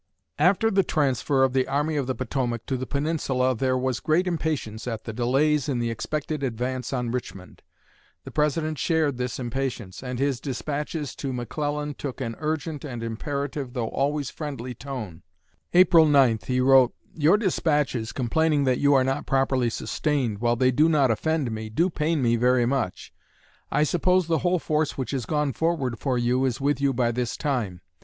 After the transfer of the Army of the Potomac to the Peninsula there was great impatience at the delays in the expected advance on Richmond. The President shared this impatience, and his despatches to McClellan took an urgent and imperative though always friendly tone. April 9 he wrote: "Your despatches, complaining that you are not properly sustained, while they do not offend me, do pain me very much. I suppose the whole force which has gone forward for you is with you by this time.